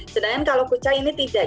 sedangkan kalau kucah ini tidak